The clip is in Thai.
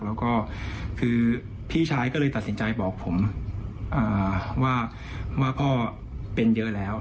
แล้วก็คือพี่ชายก็เลยตัดสินใจบอกผมว่าพ่อเป็นเยอะแล้ว